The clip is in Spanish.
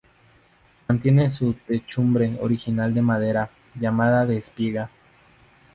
Mantiene su techumbre original de madera, llamada de espiga.